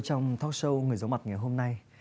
trong talk show người giống mặt ngày hôm nay